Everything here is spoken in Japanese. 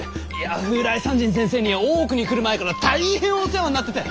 風来山人先生には大奥に来る前から大変お世話んなってて！